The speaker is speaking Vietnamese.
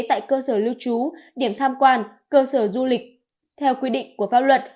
tại cơ sở lưu trú điểm tham quan cơ sở du lịch theo quy định của pháp luật